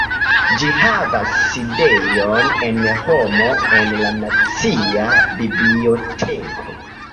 Ĝi havas sidejon en Romo en la nacia biblioteko.